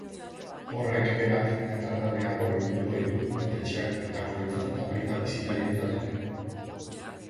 Horrek berak erakargarriago bihurtuko ditu jatetxeak bertakoentzat eta baita bisitarientzat ere.